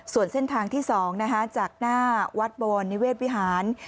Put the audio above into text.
ส่วนเส้นทางที่๒จากหน้าวัดบวรนิเวศวิหาร